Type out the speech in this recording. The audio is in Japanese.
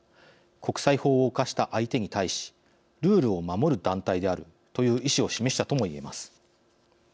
国際法を犯した相手に対しルールを守る団体であるという意思を示したともいえます。